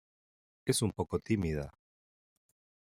Es un poco tímida.